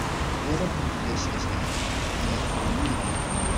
rero dukoresheje iyi forumule,